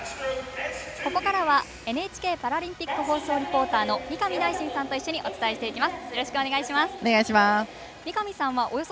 ここからはＮＨＫパラリンピック放送リポーターの三上大進さんと一緒にお伝えします。